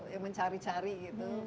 yang mencari cari gitu